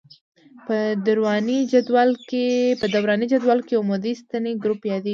په دوراني جدول کې عمودي ستنې ګروپ یادیږي.